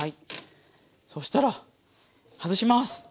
そしたら外します！